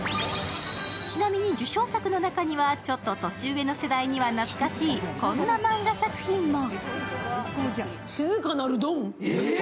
ちなみに、受賞作の中にはちょっと年上の世代には懐かしいこんなマンガ作品も。